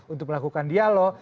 untuk melakukan dialog